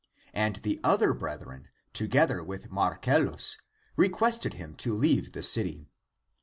And the other brethren, together with Marcellus, requested him to leave (the city)."